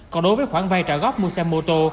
còn đối với khoản vay trả góp mua xe mô tô